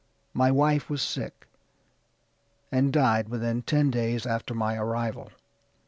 My wife was sick, and died within ten days after my arrival.